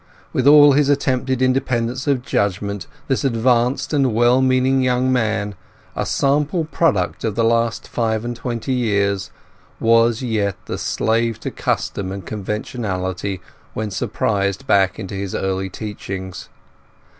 With all his attempted independence of judgement this advanced and well meaning young man, a sample product of the last five and twenty years, was yet the slave to custom and conventionality when surprised back into his early teachings.